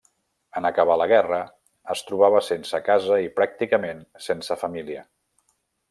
En acabar la guerra, es trobava sense casa i pràcticament sense família.